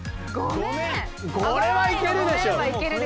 「ごめん」はいけるでしょ。